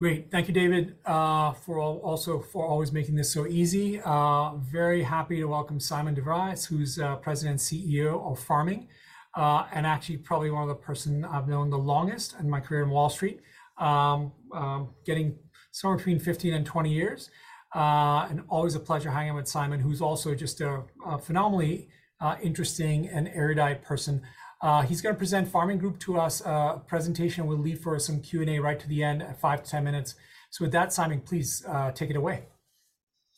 Great. Thank you, David, for also always making this so easy. Very happy to welcome Sijmen de Vries, who's President and CEO of Pharming, and actually probably one of the person I've known the longest in my career on Wall Street. Getting somewhere between 15 and 20 years. And always a pleasure hanging out with Sijmen, who's also just a phenomenally interesting and erudite person. He's gonna present Pharming Group to us. Presentation will leave for some Q&A right to the end, five to 10 minutes. So with that, Sijmen, please, take it away.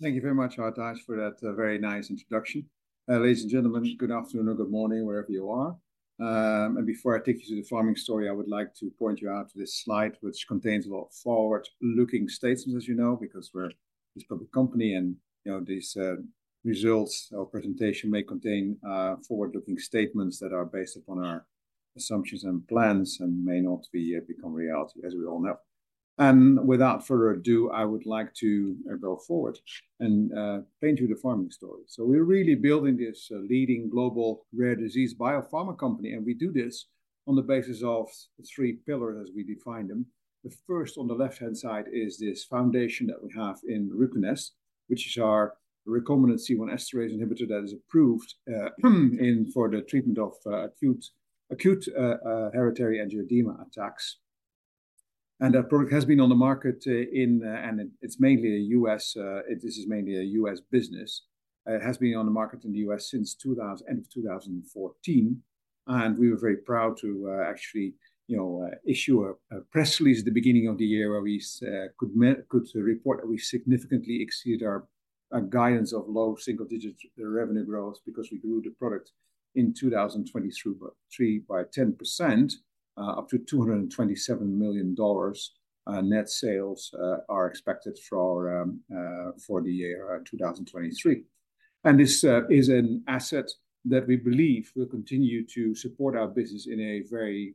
Thank you very much, Hartaj, for that very nice introduction. Ladies and gentlemen, good afternoon or good morning, wherever you are. And before I take you through the Pharming story, I would like to point you out to this slide, which contains a lot of forward-looking statements, as you know, because we're this public company and, you know, these results or presentation may contain forward-looking statements that are based upon our assumptions and plans and may not become reality, as we all know. And without further ado, I would like to go forward and paint you the Pharming story. So we're really building this leading global rare disease biopharma company, and we do this on the basis of three pillars as we define them. The first, on the left-hand side, is this foundation that we have in RUCONEST, which is our recombinant C1 esterase inhibitor that is approved for the treatment of acute hereditary angioedema attacks. That product has been on the market in the U.S. It is mainly a U.S. business. It has been on the market in the U.S. since end of 2014, and we were very proud to actually, you know, issue a press release at the beginning of the year where we could report that we significantly exceeded our guidance of low single-digit revenue growth because we grew the product in 2023 by 10% up to $227 million. Net sales are expected for the year 2023. And this is an asset that we believe will continue to support our business in a very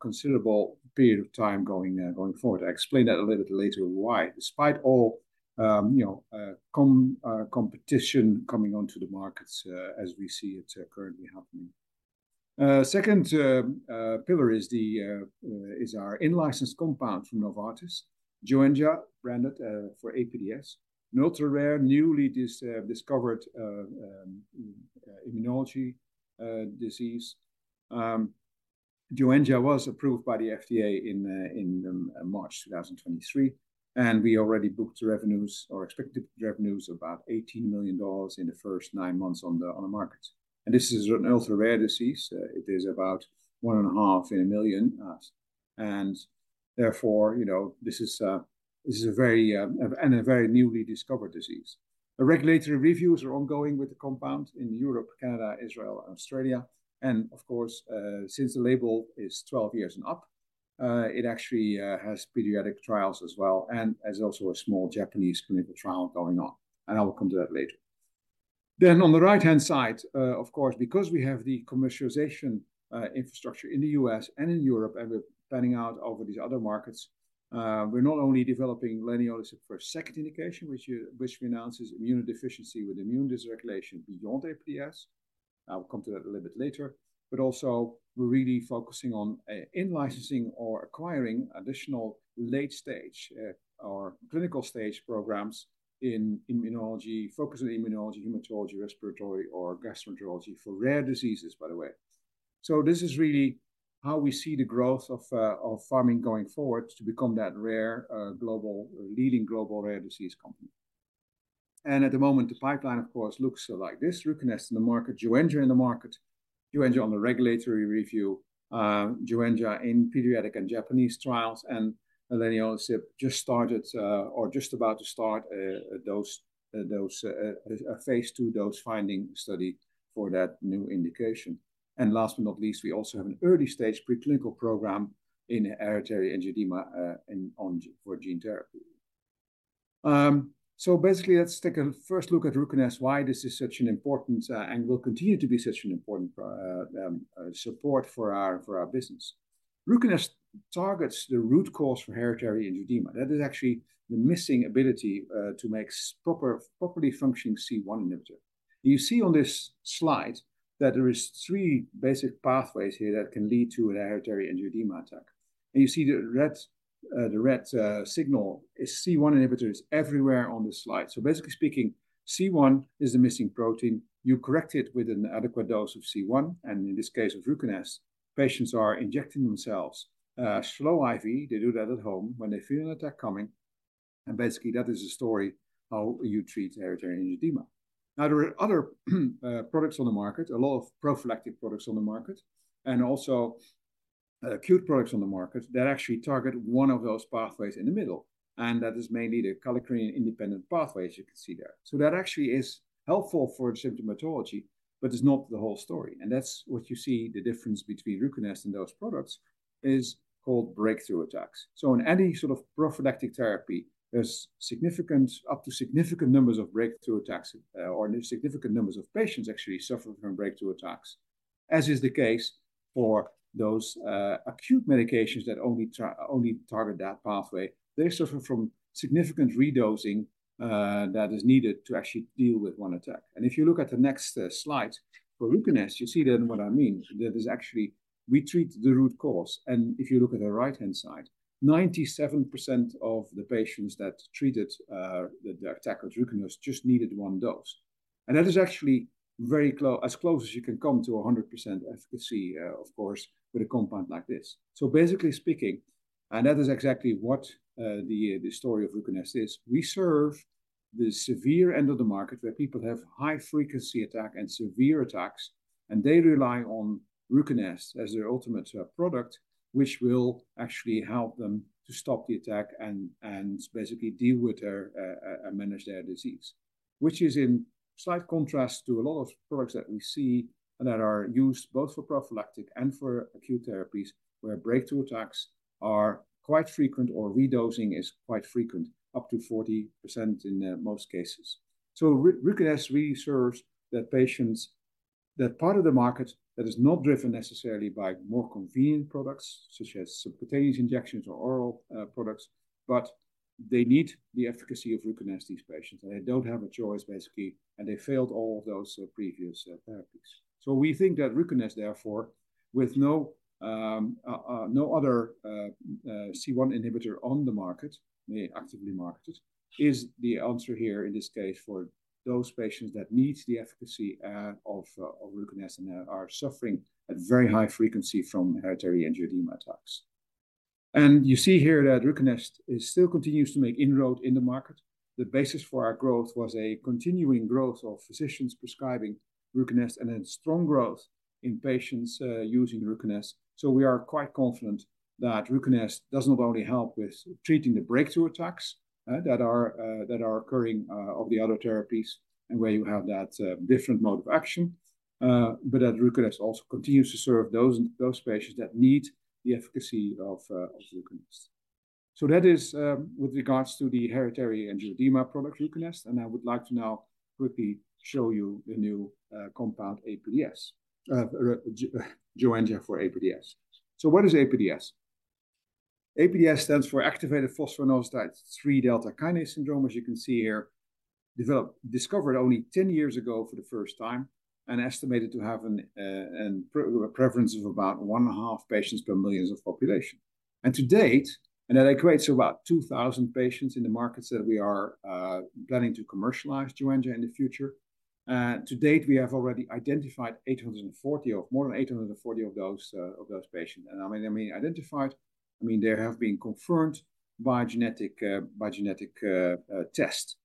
considerable period of time going forward. I explain that a little bit later why, despite all, you know, competition coming onto the markets, as we see it, currently happening. Second pillar is our in-licensed compound from Novartis, Joenja, branded for APDS, an ultra-rare, newly discovered immunology disease. Joenja was approved by the FDA in March 2023, and we already booked revenues or expected revenues of about $18 million in the first nine months on the market. And this is an ultra-rare disease. It is about 1.5 in a million, and therefore, you know, this is a very, and a very newly discovered disease. The regulatory reviews are ongoing with the compound in Europe, Canada, Israel, and Australia, and of course, since the label is 12 years and up, it actually has pediatric trials as well, and there's also a small Japanese clinical trial going on, and I will come to that later. Then on the right-hand side, of course, because we have the commercialization infrastructure in the U.S. and in Europe, and we're planning out over these other markets, we're not only developing leniolisib for a second indication, which we announce is immunodeficiency with immune dysregulation beyond APDS. I will come to that a little bit later. But also we're really focusing on in-licensing or acquiring additional late-stage or clinical-stage programs in immunology, focusing on immunology, hematology, respiratory, or gastroenterology for rare diseases, by the way. So this is really how we see the growth of of Pharming going forward to become that rare global leading global rare disease company. And at the moment, the pipeline, of course, looks like this. RUCONEST in the market, Joenja in the market, Joenja on the regulatory review, Joenja in pediatric and Japanese trials, and leniolisib just started or just about to start a phase II dose-finding study for that new indication. And last but not least, we also have an early-stage preclinical program in hereditary angioedema on gene therapy. So basically, let's take a first look at RUCONEST, why this is such an important, and will continue to be such an important, support for our, for our business. RUCONEST targets the root cause for hereditary angioedema. That is actually the missing ability to make properly functioning C1 inhibitor. You see on this slide that there is three basic pathways here that can lead to a hereditary angioedema attack. And you see the red, the red, signal, is C1 inhibitor is everywhere on this slide. So basically speaking, C1 is the missing protein. You correct it with an adequate dose of C1, and in this case, of RUCONEST. Patients are injecting themselves, slow IV. They do that at home when they feel an attack coming, and basically, that is the story how you treat hereditary angioedema. Now, there are other products on the market, a lot of prophylactic products on the market, and also acute products on the market that actually target one of those pathways in the middle, and that is mainly the kallikrein-independent pathway, as you can see there. So that actually is helpful for symptomatology, but it's not the whole story. And that's what you see the difference between RUCONEST and those products, is called breakthrough attacks. So in any sort of prophylactic therapy, there's significant up to significant numbers of breakthrough attacks, or significant numbers of patients actually suffer from breakthrough attacks, as is the case for those acute medications that only target that pathway. They suffer from significant redosing that is needed to actually deal with one attack. If you look at the next slide, for RUCONEST, you see then what I mean. That is actually... We treat the root cause, and if you look at the right-hand side, 97% of the patients that treated their attack with RUCONEST just needed one dose... and that is actually very close as close as you can come to a 100% efficacy, of course, with a compound like this. So basically speaking, and that is exactly what the story of RUCONEST is. We serve the severe end of the market, where people have high-frequency attack and severe attacks, and they rely on RUCONEST as their ultimate product, which will actually help them to stop the attack and basically deal with their manage their disease, which is in slight contrast to a lot of products that we see that are used both for prophylactic and for acute therapies, where breakthrough attacks are quite frequent, or redosing is quite frequent, up to 40% in most cases. So RUCONEST really serves the patients, that part of the market that is not driven necessarily by more convenient products, such as subcutaneous injections or oral products, but they need the efficacy of RUCONEST, these patients, and they don't have a choice, basically, and they failed all of those previous therapies. So we think that RUCONEST, therefore, with no other C1 inhibitor on the market, may actively market it, is the answer here in this case, for those patients that needs the efficacy of RUCONEST and are suffering at very high frequency from hereditary angioedema attacks. And you see here that RUCONEST still continues to make inroads in the market. The basis for our growth was a continuing growth of physicians prescribing RUCONEST, and then strong growth in patients using RUCONEST. So we are quite confident that RUCONEST doesn't only help with treating the breakthrough attacks that are occurring of the other therapies, and where you have that different mode of action, but that RUCONEST also continues to serve those patients that need the efficacy of RUCONEST. That is with regards to the hereditary angioedema product, RUCONEST, and I would like to now quickly show you the new compound, APDS, Joenja for APDS. So what is APDS? APDS stands for activated phosphoinositide 3-kinase delta syndrome, as you can see here, discovered only 10 years ago for the first time and estimated to have a prevalence of about one and a half patients per million of population. To date, that equates to about 2,000 patients in the markets that we are planning to commercialize Joenja in the future. To date, we have already identified 840, or more than 840 of those patients. And identified, I mean, they have been confirmed by genetic test.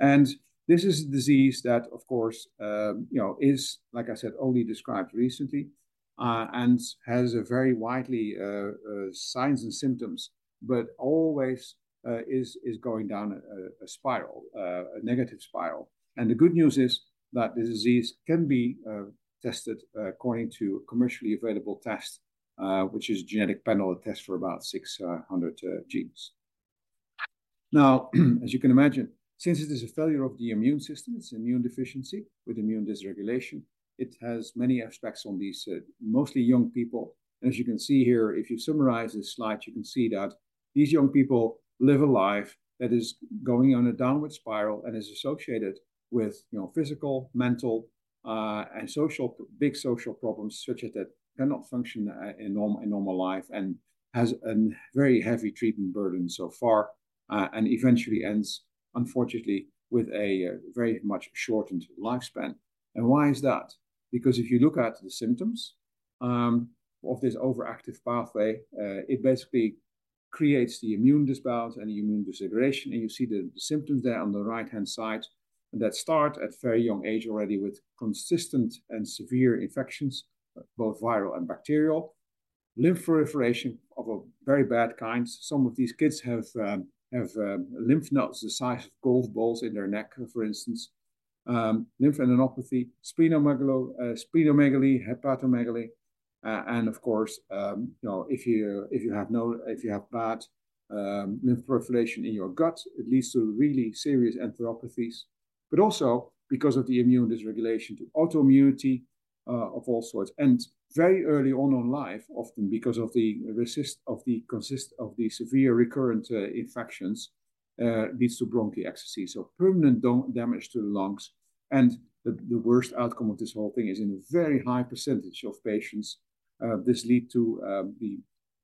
And this is a disease that, of course, you know, is, like I said, only described recently, and has a very widely signs and symptoms, but always is going down a spiral, a negative spiral. And the good news is that the disease can be tested, according to commercially available test, which is genetic panel test for about 600 genes. Now, as you can imagine, since it is a failure of the immune system, it's immune deficiency with immune dysregulation, it has many aspects on these, mostly young people. As you can see here, if you summarize this slide, you can see that these young people live a life that is going on a downward spiral and is associated with, you know, physical, mental, and social, big social problems, such as that they cannot function in normal life, and has a very heavy treatment burden so far, and eventually ends, unfortunately, with a very much shortened lifespan. Why is that? Because if you look at the symptoms of this overactive pathway, it basically creates the immune imbalance and immune dysregulation. You see the symptoms there on the right-hand side that start at a very young age already, with consistent and severe infections, both viral and bacterial, lymphoproliferation of a very bad kind. Some of these kids have lymph nodes the size of golf balls in their neck, for instance. Lymphadenopathy, splenomegaly, hepatomegaly, and of course, you know, if you have bad lymphoproliferation in your gut, it leads to really serious enteropathies, but also because of the immune dysregulation to autoimmunity of all sorts. Very early on in life, often because of the severe recurrent infections, leads to bronchiectasis, so permanent damage to the lungs. And the worst outcome of this whole thing is in a very high percentage of patients, this leads to the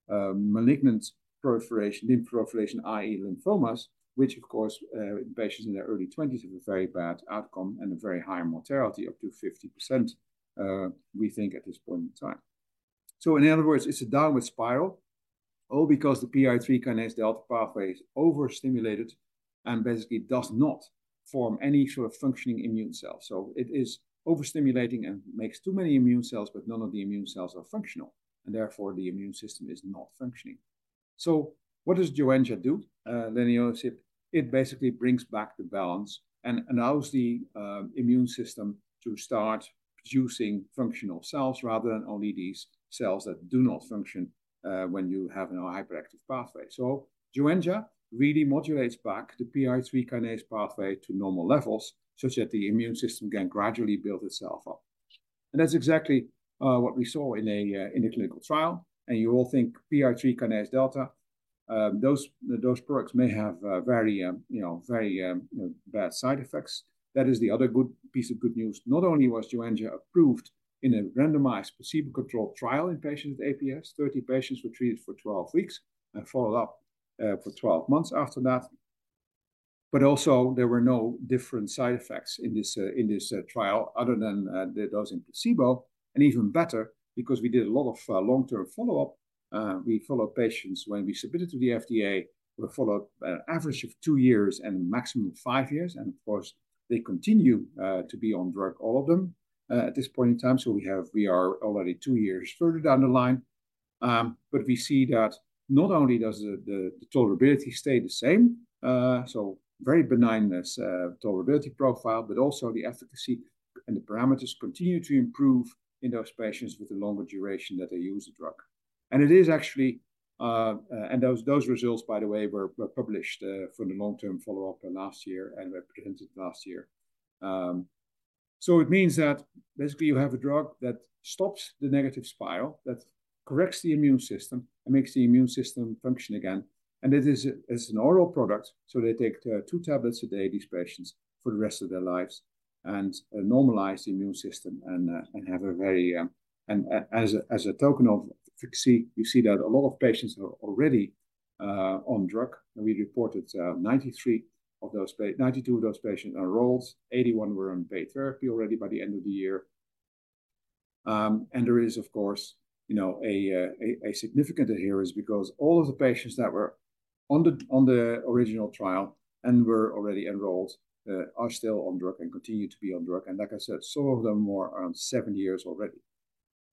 malignant proliferation, lymphproliferation, i.e., lymphomas, which of course, in patients in their early twenties, have a very bad outcome and a very high mortality, up to 50%, we think at this point in time. So in other words, it's a downward spiral, all because the PI3-kinase delta pathway is overstimulated and basically does not form any sort of functioning immune cells. So it is overstimulating and makes too many immune cells, but none of the immune cells are functional, and therefore, the immune system is not functioning. So what does Joenja do? Then, you know, it basically brings back the balance and allows the immune system to start producing functional cells, rather than only these cells that do not function when you have an overactive pathway. So Joenja really modulates back the PI3-kinase pathway to normal levels, such that the immune system can gradually build itself up. And that's exactly what we saw in a clinical trial. And you all think PI3-kinase delta, those products may have very, you know, very bad side effects. That is the other good piece of good news. Not only was Joenja approved in a randomized, placebo-controlled trial in patients with APDS, 30 patients were treated for 12 weeks and followed up for 12 months after that. but also there were no different side effects in this trial other than those in placebo. And even better, because we did a lot of long-term follow-up, we followed patients when we submitted to the FDA. We followed average of two years and a maximum of five years, and of course, they continue to be on drug, all of them, at this point in time. So we have we are already two years further down the line. But we see that not only does the tolerability stay the same, so very benign this tolerability profile, but also the efficacy and the parameters continue to improve in those patients with the longer duration that they use the drug. And it is actually... Those results, by the way, were published from the long-term follow-up last year and were presented last year. So it means that basically you have a drug that stops the negative spiral, that corrects the immune system and makes the immune system function again. And it is, it's an oral product, so they take two tablets a day, these patients, for the rest of their lives and normalize the immune system and have a very. And as a token of efficacy, you see that a lot of patients are already on drug. And we reported 93 of those—92 of those patients are enrolled. 81 were on paid therapy already by the end of the year. There is, of course, you know, a significant adherence, because all of the patients that were on the original trial and were already enrolled are still on drug and continue to be on drug. And like I said, some of them more around seven years already.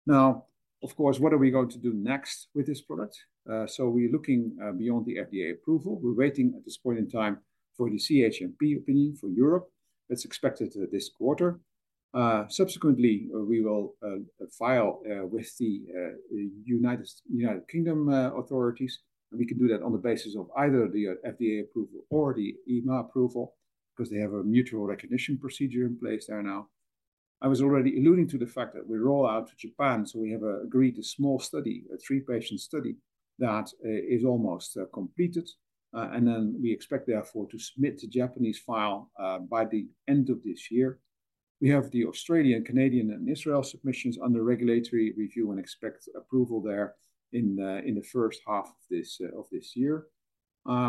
Now, of course, what are we going to do next with this product? We're looking beyond the FDA approval. We're waiting at this point in time for the CHMP opinion for Europe. That's expected this quarter. Subsequently, we will file with the United Kingdom authorities, and we can do that on the basis of either the FDA approval or the EMA approval, because they have a mutual recognition procedure in place there now. I was already alluding to the fact that we roll out to Japan, so we have agreed a small study, a three-patient study, that is almost completed. And then we expect, therefore, to submit the Japanese file by the end of this year. We have the Australian, Canadian, and Israel submissions under regulatory review and expect approval there in the first half of this year. And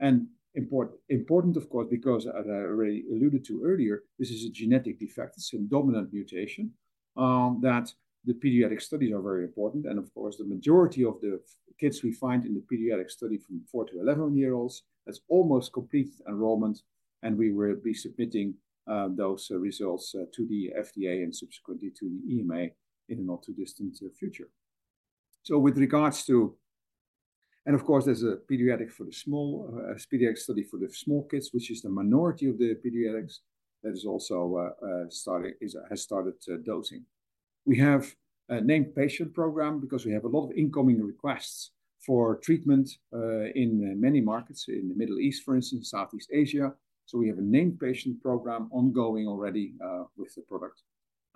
important, important, of course, because as I already alluded to earlier, this is a genetic defect. It's a dominant mutation that the pediatric studies are very important. And of course, the majority of the kids we find in the pediatric study, from four- to 11-year-olds, has almost completed enrollment, and we will be submitting those results to the FDA and subsequently to the EMA in the not-too-distant future. So with regards to the pediatric for the small pediatric study for the small kids, which is the minority of the pediatrics. That is also started, has started dosing. We have a named patient program because we have a lot of incoming requests for treatment in many markets, in the Middle East, for instance, Southeast Asia. So we have a named patient program ongoing already with the product.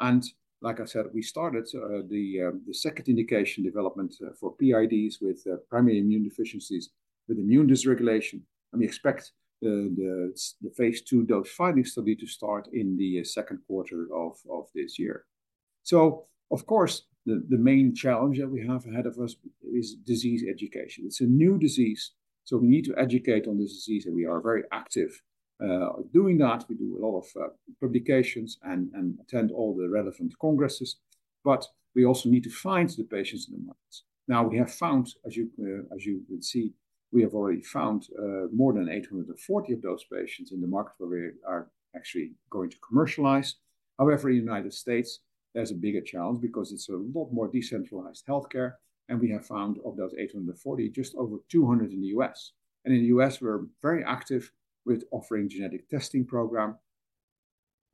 And like I said, we started the second indication development for PIDs with primary immune deficiencies with immune dysregulation. And we expect the phase II dose-finding study to start in the second quarter of this year. So of course, the main challenge that we have ahead of us is disease education. It's a new disease, so we need to educate on this disease, and we are very active doing that. We do a lot of publications and attend all the relevant congresses, but we also need to find the patients in the markets. Now, we have found, as you would see, we have already found more than 840 of those patients in the market where we are actually going to commercialize. However, in the United States, there's a bigger challenge because it's a lot more decentralized healthcare, and we have found, of those 840, just over 200 in the U.S. In the U.S., we're very active with offering genetic testing program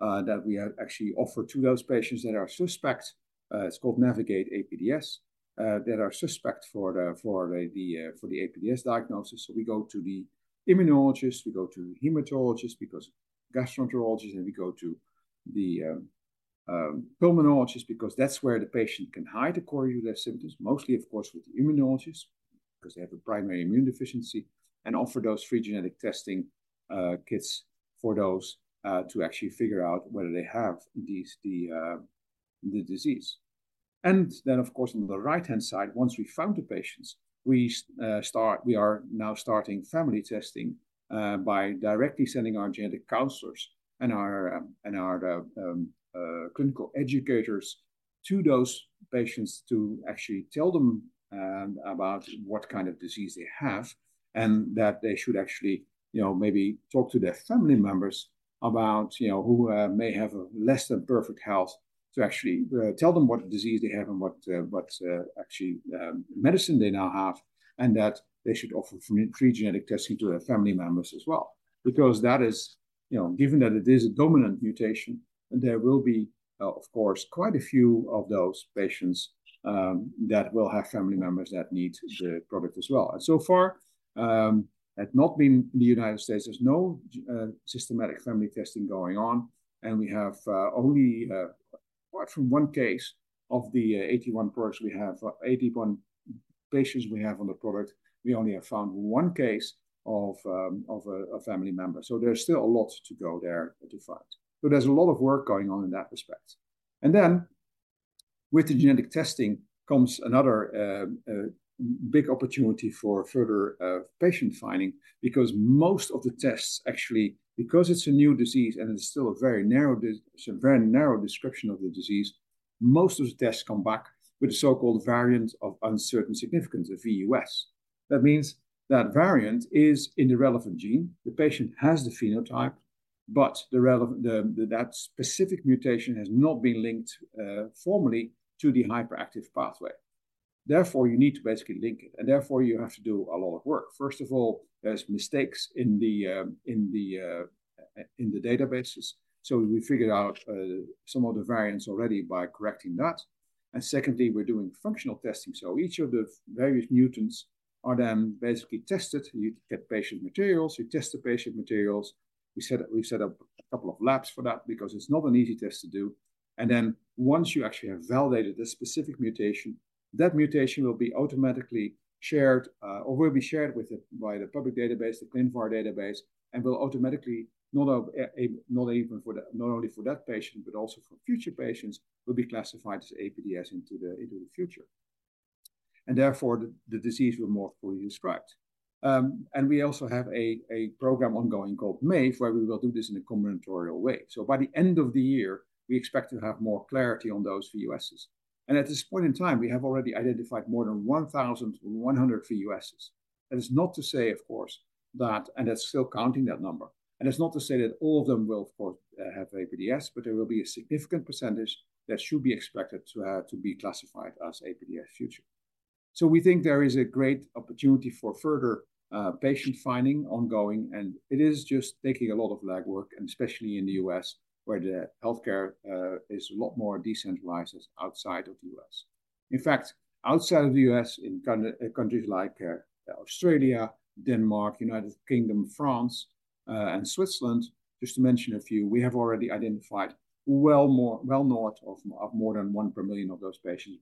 that we have actually offered to those patients that are suspect. It's called navigateAPDS that are suspect for the APDS diagnosis. So we go to the immunologist, we go to hematologist, gastroenterologist, and we go to the pulmonologist, because that's where the patient can hide the core APDS symptoms, mostly, of course, with the immunologist, because they have a primary immunodeficiency, and offer those free genetic testing kits for those to actually figure out whether they have the disease. And then, of course, on the right-hand side, once we found the patients, we are now starting family testing by directly sending our genetic counselors and our clinical educators to those patients to actually tell them about what kind of disease they have, and that they should actually, you know, maybe talk to their family members about, you know, who may have less than perfect health, to actually tell them what disease they have and what actually medicine they now have, and that they should offer free genetic testing to their family members as well. Because that is, you know, given that it is a dominant mutation, there will be, of course, quite a few of those patients that will have family members that need the product as well. So far, had not been in the United States, there's no systematic family testing going on, and we have only, apart from one case, of the 81 products we have, 81 patients we have on the product, we only have found one case of a family member. So there's still a lot to go there to find. So there's a lot of work going on in that respect. And then with the genetic testing comes another big opportunity for further patient finding, because most of the tests actually, because it's a new disease, and it's still a very narrow dis- it's a very narrow description of the disease, most of the tests come back with a so-called variant of uncertain significance, a VUS. That means that variant is in the relevant gene. The patient has the phenotype, but the relevant – that specific mutation has not been linked formally to the hyperactive pathway. Therefore, you need to basically link it, and therefore, you have to do a lot of work. First of all, there's mistakes in the databases. So we figured out some of the variants already by correcting that. And secondly, we're doing functional testing. So each of the various mutants are then basically tested. You get patient materials, you test the patient materials. We set up – we've set up a couple of labs for that because it's not an easy test to do. And then once you actually have validated the specific mutation, that mutation will be automatically shared, or will be shared with the—by the public database, the ClinVar database, and will automatically, not, not even for the—not only for that patient, but also for future patients, will be classified as APDS into the, into the future. And therefore, the disease will be more fully described. And we also have a program ongoing called MAVE, where we will do this in a combinatorial way. So by the end of the year, we expect to have more clarity on those VUSs. And at this point in time, we have already identified more than 1,100 VUSs. That is not to say, of course, that... And it's still counting that number. It's not to say that all of them will, of course, have APDS, but there will be a significant percentage that should be expected to be classified as APDS in future. We think there is a great opportunity for further patient finding ongoing, and it is just taking a lot of legwork, and especially in the U.S., where the healthcare is a lot more decentralized outside of the U.S. In fact, outside of the U.S., in countries like Australia, Denmark, United Kingdom, France, and Switzerland, just to mention a few, we have already identified well north of more than one per million of those patients,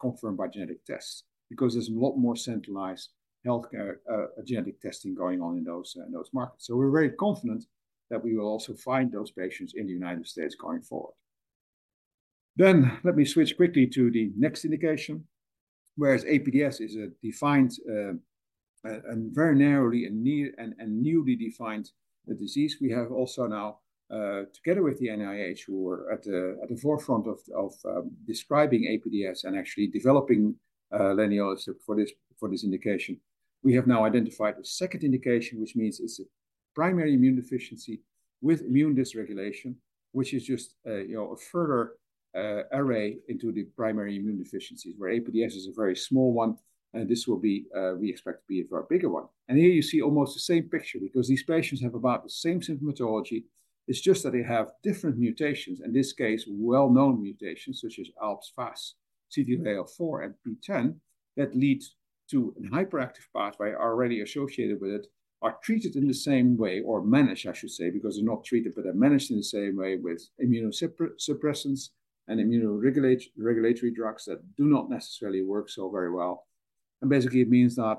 confirmed by genetic tests. Because there's a lot more centralized healthcare genetic testing going on in those markets. So we're very confident that we will also find those patients in the United States going forward. Then let me switch quickly to the next indication. Whereas APDS is a defined and very narrowly and newly defined the disease, we have also now together with the NIH, who are at the forefront of describing APDS and actually developing leniolisib for this indication. We have now identified a second indication, which means it's a primary immunodeficiency with immune dysregulation, which is just you know a further array into the primary immunodeficiencies, where APDS is a very small one, and this will be we expect to be a very bigger one. And here you see almost the same picture because these patients have about the same symptomatology. It's just that they have different mutations, in this case, well-known mutations such as ALPS, FAS, CD40, and PTEN, that lead to a hyperactive pathway already associated with it, are treated in the same way, or managed, I should say, because they're not treated, but they're managed in the same way with immunosuppressants and immunoregulatory drugs that do not necessarily work so very well. And basically, it means that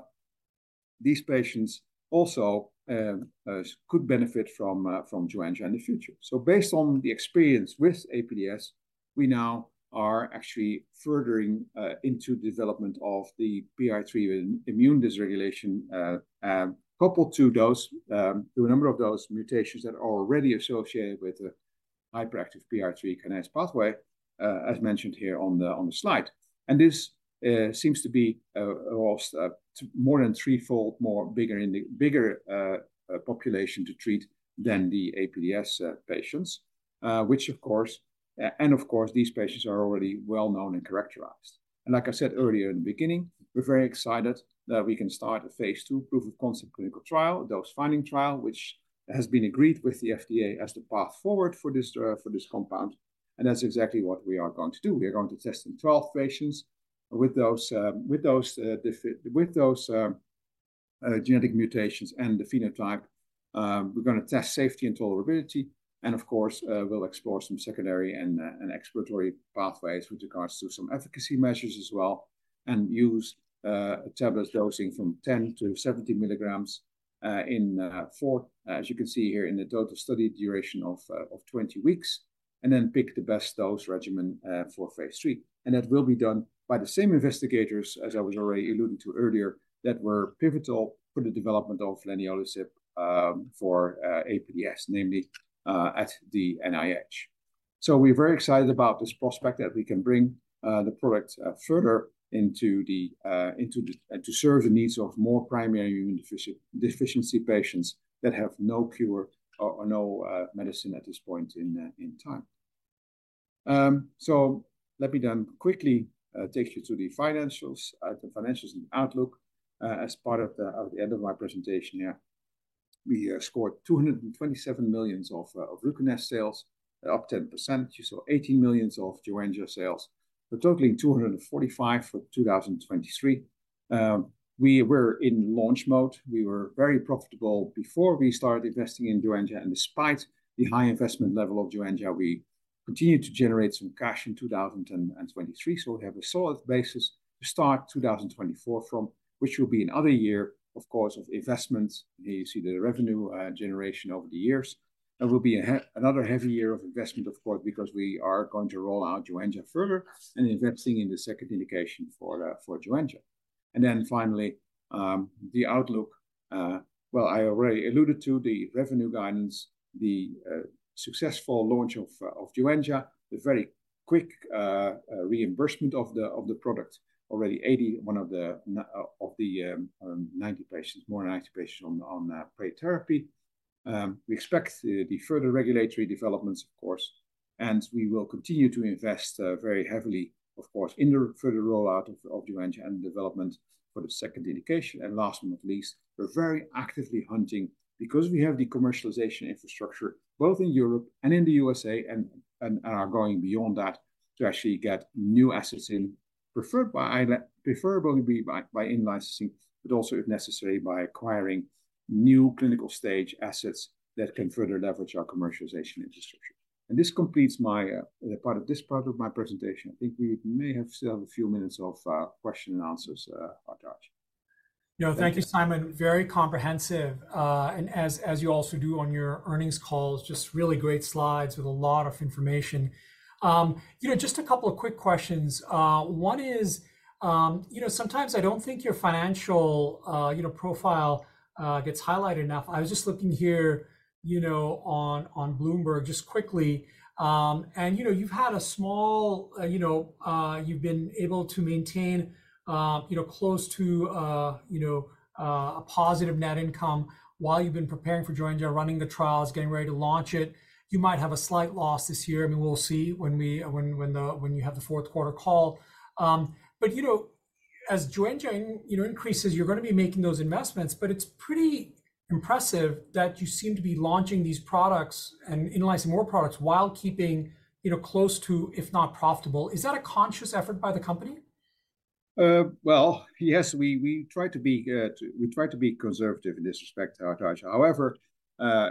these patients also could benefit from leniolisib in the future. So based on the experience with APDS, we now are actually furthering into development of the PI3K immune dysregulation coupled to those to a number of those mutations that are already associated with the hyperactive PI3-kinase pathway, as mentioned here on the slide. This seems to be almost more than threefold bigger in the population to treat than the APDS patients. Which, of course, these patients are already well known and characterized. And like I said earlier in the beginning, we're very excited that we can start a phase II proof-of-concept clinical trial, dose-finding trial, which has been agreed with the FDA as the path forward for this compound, and that's exactly what we are going to do. We are going to test in 12 patients with those genetic mutations and the phenotype. We're gonna test safety and tolerability, and of course, we'll explore some secondary and exploratory pathways with regards to some efficacy measures as well, and use a tablet dosing from 10 mg-70 mg in four, as you can see here, in the total study duration of 20 weeks, and then pick the best dose regimen for phase III. That will be done by the same investigators, as I was already alluding to earlier, that were pivotal for the development of leniolisib for APDS, namely at the NIH. So we're very excited about this prospect that we can bring the product further into the and to serve the needs of more primary immune deficiency patients that have no cure or no medicine at this point in time. So let me then quickly take you to the financials and outlook as part of the end of my presentation here. We scored $227 million of RUCONEST sales, up 10%. You saw $18 million of Joenja sales, for totaling $245 million for 2023. We were in launch mode. We were very profitable before we started investing in Joenja, and despite the high investment level of Joenja, we continued to generate some cash in 2023. So we have a solid basis to start 2024 from, which will be another year, of course, of investment. You see the revenue generation over the years. That will be another heavy year of investment, of course, because we are going to roll out Joenja further and investing in the second indication for Joenja. And then finally, the outlook, well, I already alluded to the revenue guidance, the successful launch of Joenja, the very quick reimbursement of the product. Already 81 of the 90 patients, more than 90 patients on paid therapy. We expect the further regulatory developments, of course, and we will continue to invest very heavily, of course, in the further rollout of Joenja and development for the second indication. Last but not least, we're very actively hunting because we have the commercialization infrastructure, both in Europe and in the U.S.A., and are going beyond that to actually get new assets in, preferably by in-licensing, but also, if necessary, by acquiring new clinical-stage assets that can further leverage our commercialization infrastructure. This completes my part of this part of my presentation. I think we may still have a few minutes of question and answers, Hartaj. No, thank you, Sijmen. Very comprehensive. As you also do on your earnings calls, just really great slides with a lot of information. You know, just a couple of quick questions. One is, you know, sometimes I don't think your financial, you know, profile gets highlighted enough. I was just looking here, you know, on Bloomberg, just quickly. You know, you've had a small, you know... You've been able to maintain, you know, close to, you know, a positive net income while you've been preparing for Joenja, running the trials, getting ready to launch it. You might have a slight loss this year. I mean, we'll see when you have the fourth-quarter call. But, you know, as revenue, you know, increases, you're gonna be making those investments, but it's pretty impressive that you seem to be launching these products and in-licensing more products while keeping, you know, close to, if not profitable. Is that a conscious effort by the company? Well, yes, we try to be conservative in this respect, Hartaj. However,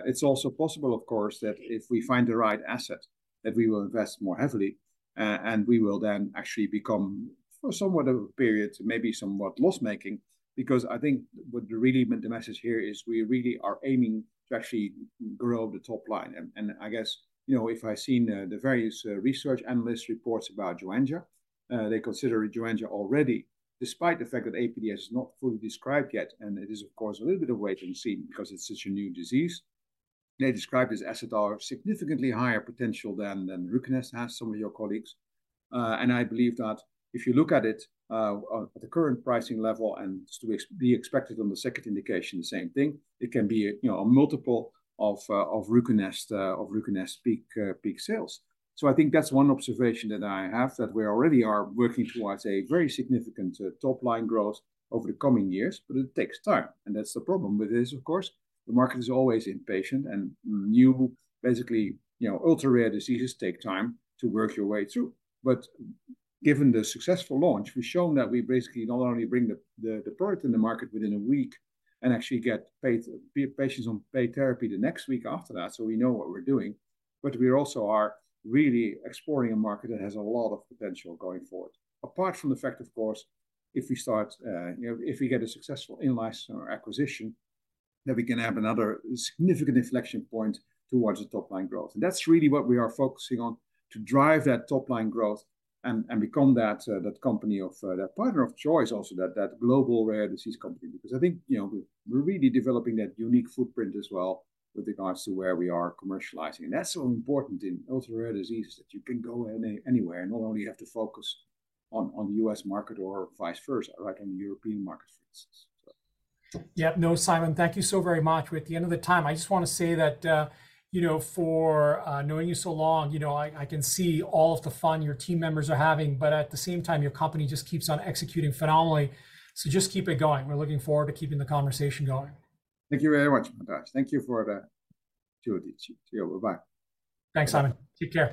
it's also possible, of course, that if we find the right asset, that we will invest more heavily, and we will then actually become, for somewhat of a period, maybe somewhat loss-making. Because I think what really the message here is we really are aiming to actually grow the top line. And I guess, you know, if I've seen the various research analyst reports about Joenja, they consider Joenja already, despite the fact that APDS is not fully described yet, and it is, of course, a little bit of wait and see because it's such a new disease. They describe this asset are significantly higher potential than RUCONEST has, some of your colleagues. And I believe that if you look at it, at the current pricing level, and to be expected on the second indication, the same thing, it can be a, you know, a multiple of, of RUCONEST, of RUCONEST peak, peak sales. So I think that's one observation that I have, that we already are working towards a very significant, top-line growth over the coming years, but it takes time, and that's the problem with this, of course. The market is always impatient, and new, basically, you know, ultra-rare diseases take time to work your way through. But given the successful launch, we've shown that we basically not only bring the product in the market within a week and actually get patients on paid therapy the next week after that, so we know what we're doing, but we also are really exploring a market that has a lot of potential going forward. Apart from the fact, of course, if we start, you know, if we get a successful in-license or acquisition, then we can have another significant inflection point towards the top-line growth. And that's really what we are focusing on, to drive that top-line growth and become that company of that partner of choice, also, that global rare disease company. Because I think, you know, we're really developing that unique footprint as well with regards to where we are commercializing. That's so important in ultra-rare diseases that you can go anywhere, and not only you have to focus on the U.S. market or vice versa, like in the European market, for instance, so. Yeah. No, Sijmen, thank you so very much. We're at the end of the time. I just wanna say that, you know, for knowing you so long, you know, I can see all of the fun your team members are having, but at the same time, your company just keeps on executing phenomenally. So just keep it going. We're looking forward to keeping the conversation going. Thank you very much, Hartaj. Thank you for the opportunity. See you. Bye-bye. Thanks, Sijmen. Take care.